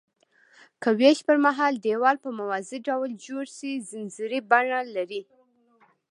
که ویش پرمهال دیوال په موازي ډول جوړ شي ځنځیري بڼه لري.